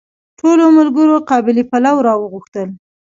ټولو ملګرو قابلي پلو راوغوښتل.